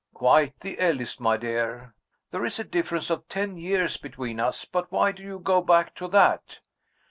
"Quite the eldest, my dear. There is a difference of ten years between us. But why do you go back to that?"